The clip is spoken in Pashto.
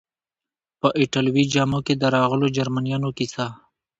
په ایټالوي جامو کې د راغلو جرمنیانو کیسه.